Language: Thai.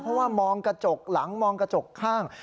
เพราะว่ามองกระจกหลังมองกระจกข้าง